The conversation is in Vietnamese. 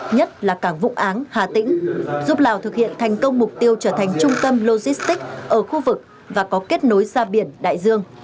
nhất là cảng vụ áng hà tĩnh giúp lào thực hiện thành công mục tiêu trở thành trung tâm logistic ở khu vực và có kết nối ra biển đại dương